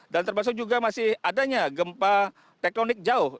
dan termasuk juga masih adanya gempa teknonik jauh